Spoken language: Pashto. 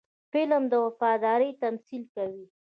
فلم د وفادارۍ تمثیل کوي